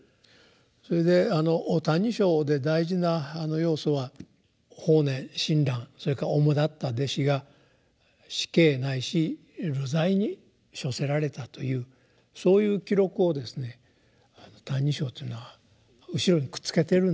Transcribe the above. それで「歎異抄」で大事な要素は法然親鸞それからおもだった弟子が死刑ないし流罪に処せられたというそういう記録をですね「歎異抄」というのは後ろにくっつけているんですね。